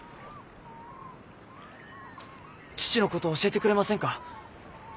父のことを教えてくれませんか？